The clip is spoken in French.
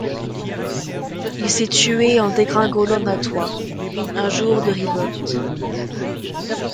Il s'est tué en dégringolant d'un toit, un jour de ribote.